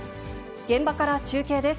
現場から中継です。